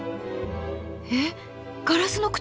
えっガラスの靴？